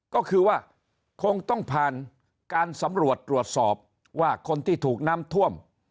ก็คือว่าคงต้องผ่านการสำรวจตรวจสอบว่าคนที่ถูกน้ำท่วม